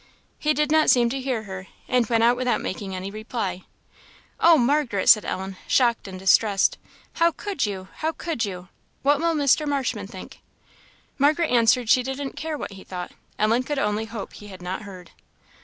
He did not seem to hear her, and went out without making any reply. "Oh, Margaret!" said Ellen, shocked and distressed "how could you! how could you! What will Mr. Marshman think?" Margaret answered she didn't care what he thought. Ellen could only hope he had not heard.